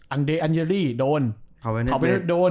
อังเดร์อันเยรี่โดนทาวินิเบศโดน